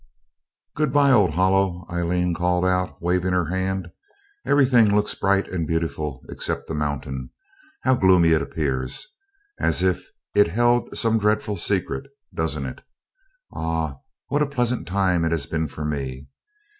'Good bye, old Hollow!' Aileen called out, waving her hand. 'Everything looks bright and beautiful except the mountain. How gloomy it appears, as if it held some dreadful secret doesn't it? Ah! what a pleasant time it has been for me.